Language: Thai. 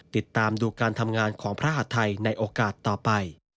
ติดตามดูการทำงานของพระหัดไทยในโอกาสต่อไป